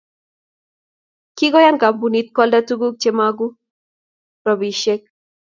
Kigoyan kampunit koalda tuguk chemagonu robishiek